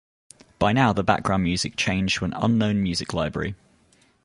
By now the background music changed to an unknown music library.